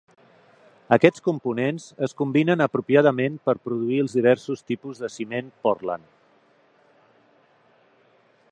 Aquests components es combinen apropiadament per produir els diversos tipus de ciment pòrtland.